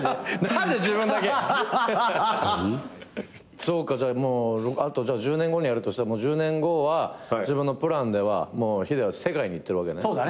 そうかじゃああと１０年後にやるとしたら１０年後は自分のプランではヒデは世界に行ってるわけね。